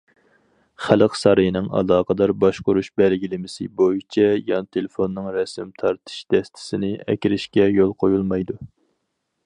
خەلق سارىيىنىڭ ئالاقىدار باشقۇرۇش بەلگىلىمىسى بويىچە، يان تېلېفوننىڭ رەسىم تارتىش دەستىسىنى ئەكىرىشكە يول قويۇلمايدۇ.